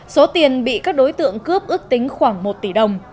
số tiền bị các đối tượng cướp ước tính khoảng một tỷ đồng